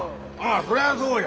そりゃそうや。